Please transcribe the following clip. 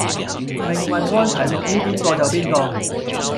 命運安排屬於邊個就邊個